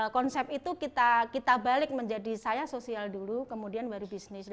konsep itu kita balik menjadi saya sosial dulu kemudian baru bisnis dulu